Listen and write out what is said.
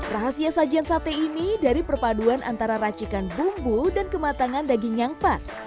rahasia sajian sate ini dari perpaduan antara racikan bumbu dan kematangan daging yang pas